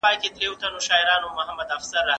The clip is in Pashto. الله تعالی چي چاته د شنډيدو اراده وکړي، هغه شنډ کړي.